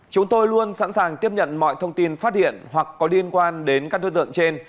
chúng tôi luôn sẵn sàng tiếp nhận mọi thông tin phát hiện hoặc có liên quan đến các đối tượng trên